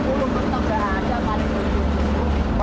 orang larinya ada delapan puluh pertengahan tidak ada delapan puluh tujuh